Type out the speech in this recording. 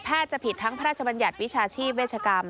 จะผิดทั้งพระราชบัญญัติวิชาชีพเวชกรรม